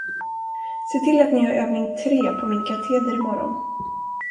Se till att ni har övning tre på min kateder i morgon.